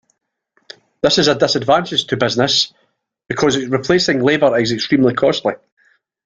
This is a disadvantage to businesses because replacing labor is extremely costly.